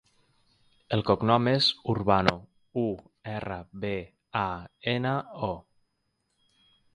El cognom és Urbano: u, erra, be, a, ena, o.